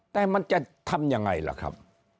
แต่มันจะทำยังไงล่ะครับ